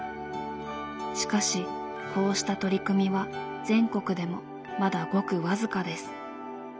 しかしこうした取り組みは全国でもまだごく僅かです。